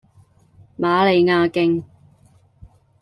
瑪利亞徑